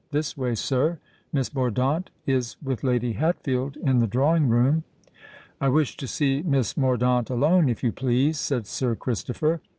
This way, sir—Miss Mordaunt is with Lady Hatfield in the drawing room." "I wish to see Miss Mordaunt alone, if you please," said Sir Christopher.